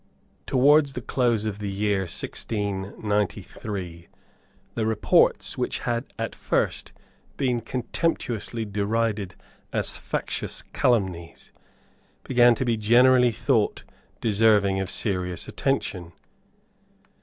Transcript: Towards the close of the year 1693, the reports, which had at first been contemptuously derided as factious calumnies, began to be generally thought deserving of serious attention.